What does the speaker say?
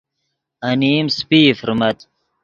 انیم سپئی فرمت